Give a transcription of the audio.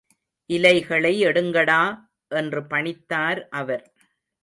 இலைகளை எடுங்கடா! என்று பணித்தார் அவர்.